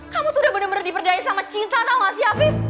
kamu tuh udah bener bener diperdaya sama cinta tau gak sih afif